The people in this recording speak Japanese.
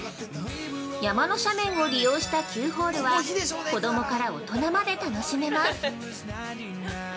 山の斜面を利用した９ホールは子供から大人まで楽しめます。